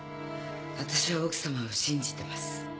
私は奥様を信じてます。